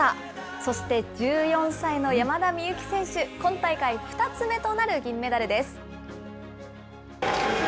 そして１４歳の山田美幸選手、今大会２つ目となる銀メダルです。